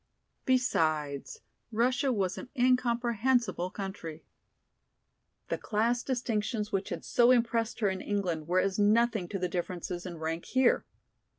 Besides, Russia was an incomprehensible country. The class distinctions which had so impressed her in England were as nothing to the differences in rank here.